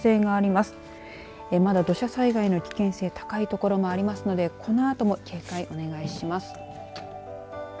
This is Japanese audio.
まだ土砂災害の危険性高い所もありますのでこのあとも警戒お願いします。